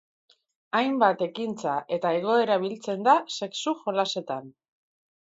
Hainbat ekintza eta egoera biltzen da sexu jolasetan.